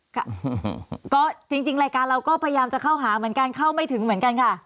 ค่ะก็จริงรายการเราก็พยายามจะเข้าหาเหมือนกันเข้าไม่ถึงเหมือนกันค่ะ